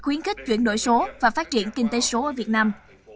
khuyến khích chuyển đổi số và phát triển kinh tế số ở việt nam